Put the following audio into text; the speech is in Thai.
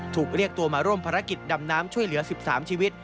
ถูกเรียกตัวมาร่วมภารกิจดำน้ำช่วยเหลือ๑๓ชีวิต